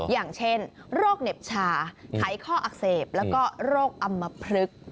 อย่างเช่นโรคเหน็บชาไขข้ออักเสบแล้วก็โรคอำมพลึก